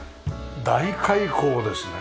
大開口ですね。